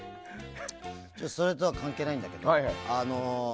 それとは関係ないんだけどさ